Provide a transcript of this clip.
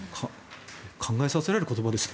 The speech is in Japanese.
考えさせられる言葉ですね